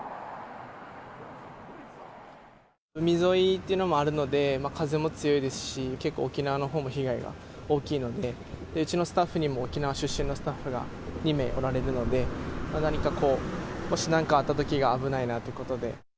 海沿いっていうのもあるので、風も強いですし、結構、沖縄のほうも被害が大きいので、うちのスタッフにも沖縄出身のスタッフが２名おられるので、何かこう、もしなんかあったときが危ないなということで。